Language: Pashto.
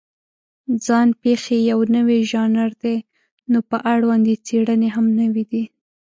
ځان پېښې یو نوی ژانر دی، نو په اړوند یې څېړنې هم نوې دي.